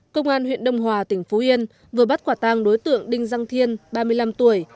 công an huyện đông hòa tỉnh phú yên vừa bắt quả tang đối tượng đinh giang thiên ba mươi năm tuổi